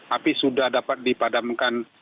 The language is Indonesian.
api sudah dapat dipadamkan